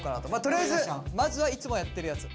とりあえずまずはいつもやってるやつ。